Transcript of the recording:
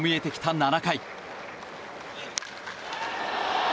７回。